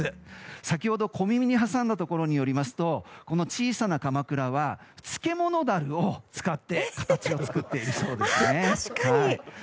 先ほど小耳に挟んだところによりますと小さなかまくらは漬物だるを使って形を作っているそうです。